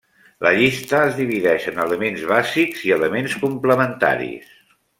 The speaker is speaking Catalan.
La llista es divideix en elements bàsics i elements complementaris.